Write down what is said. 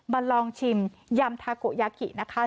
มาลองชิมยำทากโยคินะคะ